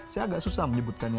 saya agak susah menyebutkannya